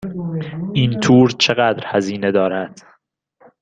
این تور چقدر هزینه دارد؟